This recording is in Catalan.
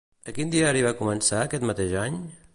A quin diari va començar aquest mateix any?